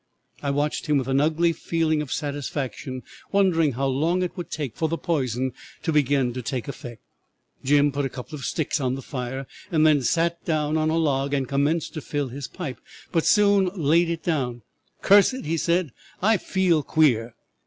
I watched him with an ugly feeling of satisfaction, wondering how long it would take for the poison to begin to take effect. "'Jim put a couple of sticks on the fire, and then sat down on a log and commenced to fill his pipe, but soon laid it down. "Curse it!" he said; "I feel queer."